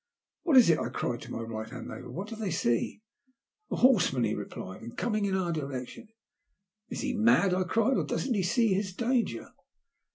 " What is it ?" I cried to my right hand neigh bour. " What do they see ?" ''A horseman/' he replied, "and coming in our direction." "Is he mad?" I cried, "or doesn't he see his danger